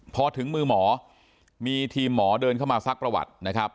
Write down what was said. พอถึงมือหมอมีทีมหมอเดินเข้ามาซักประวัตินะครับ